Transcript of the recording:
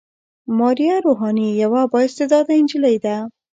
ماريه روحاني يوه با استعداده نجلۍ ده.